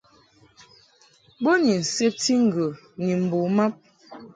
Bo ni nsebti ŋgə ni mbo mab.